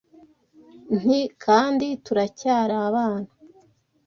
Nti kandi turacyari abana,